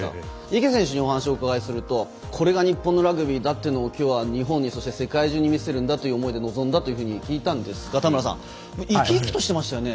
池選手にお話をお伺いするとこれが日本のラグビーだというのをきょうは日本に、そして世界中に見せるんだという思いで臨んだと聞いたんですが田村さん生き生きとしていましたね。